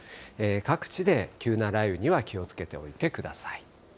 各地で急な雷雨には気をつけておいてください。